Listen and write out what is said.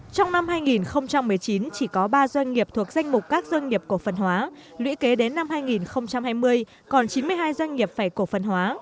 trong năm hai nghìn một mươi chín chỉ có ba doanh nghiệp thuộc danh mục các doanh nghiệp cổ phần hóa lũy kế đến năm hai nghìn hai mươi còn chín mươi hai doanh nghiệp phải cổ phần hóa